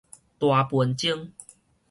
大笨鐘